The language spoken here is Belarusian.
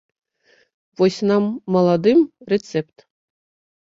Вось нам, маладым, рэцэпт!